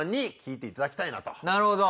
なるほど。